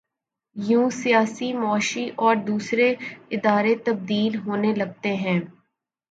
یوں سیاسی، معاشی اور دوسرے ادارے تبدیل ہونے لگتے ہیں۔